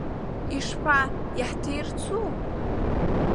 Ишԥа, иаҳҭирцу?